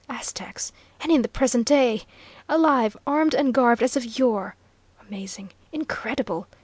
Aztecs! And in the present day! Alive armed and garbed as of yore! Amazing! Incredible!